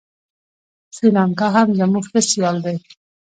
سریلانکا هم زموږ ښه سیال دی.